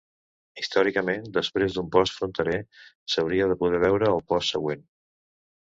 Històricament després d'un post fronterer s'hauria de poder veure el post següent.